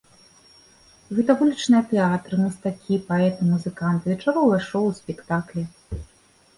Гэта вулічныя тэатры, мастакі, паэты, музыканты, вечаровыя шоў і спектаклі.